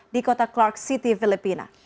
di kota clark city filipina